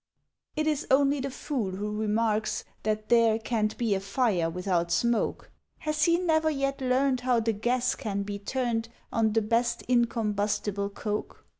It is only the Fool who remarks That there Can't be a Fire without Smoke; Has he never yet learned How the gas can be turned On the best incombustible coke?